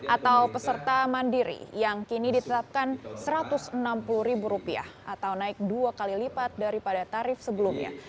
atau peserta mandiri yang kini ditetapkan rp satu ratus enam puluh atau naik dua kali lipat daripada tarif sebelumnya